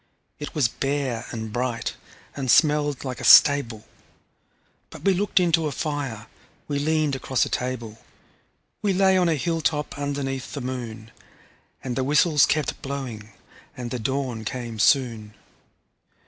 It was bare and bright, and smelled like a stable But we looked into a fire, we leaned across a table, We lay on a hilltop underneath the moon; And the whistles kept blowing, and the dawn came soon.